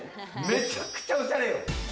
めちゃくちゃおしゃれよ。